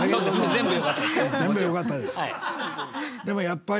全部よかったです！